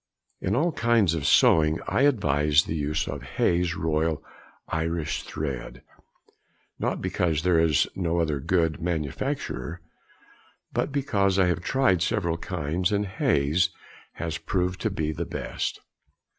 In all kinds of sewing I advise the use of Hayes' Royal Irish thread, not because there is no other of good manufacture, but because I have tried several kinds, and Hayes' has proved to be the best.